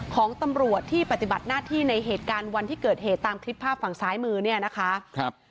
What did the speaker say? ของตำรวจที่ปฏิบัติหน้าที่ในเหตุการณ์วันที่เกิดเหตุตามคลิปภาพฝั่งซ้ายมือเนี่ยนะคะครับ